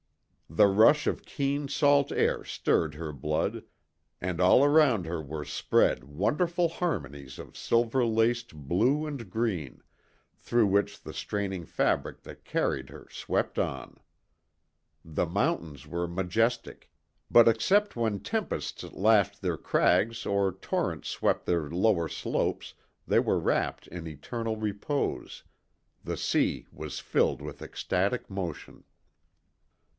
The rush of keen salt air stirred her blood, and all round her were spread wonderful harmonies of silver laced blue and green, through which the straining fabric that carried her swept on. The mountains were majestic, but except when tempests lashed their crags or torrents swept their lower slopes they were wrapped in eternal repose; the sea was filled with ecstatic motion.